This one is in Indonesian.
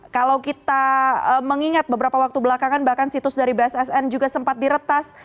kalau kita mengingat beberapa waktu belakangan bahkan situs dari bssn juga sempat diretas